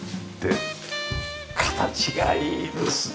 形がいいですね